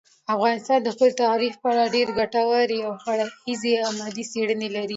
افغانستان د خپل تاریخ په اړه ډېرې ګټورې او هر اړخیزې علمي څېړنې لري.